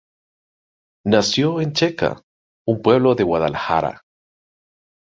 Nació en Checa, un pueblo de Guadalajara.